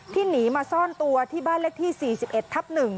หนีมาซ่อนตัวที่บ้านเลขที่๔๑ทับ๑